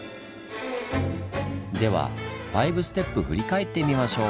では「５ステップ」振り返ってみましょう！